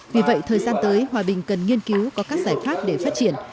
vì vậy thời gian tới hòa bình cần nghiên cứu có các giải pháp để phát triển